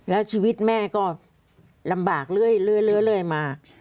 แล้วชีวิตแม่ก็ลำบากเรื่อยมา